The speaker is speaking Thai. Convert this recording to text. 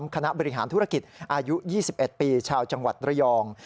คณะบริหารธุรกิจอายุ๒๑ปีชาวจังหวัดระยอง